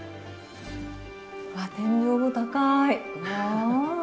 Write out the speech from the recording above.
わっ天井も高い。